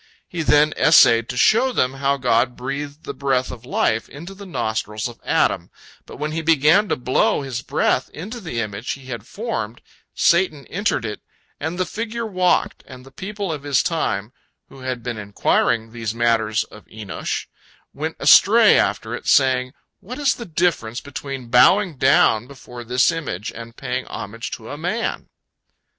He then essayed to show them how God breathed the breath of life into the nostrils of Adam, but when he began to blow his breath into the image he had formed, Satan entered it, and the figure walked, and the people of his time who had been inquiring these matters of Enosh went astray after it, saying, "What is the difference between bowing down before this image and paying homage to a man?"